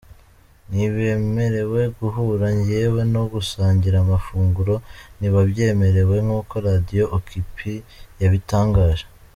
Ntibemerewe guhura yewe no gusangira amafunguro ntibabyemerewe, nk’uko Radio Okapi yabitangaje.